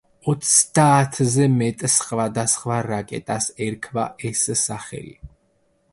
ოცდაათზე მეტ სხვადასხვა რაკეტას ერქვა ეს სახელი.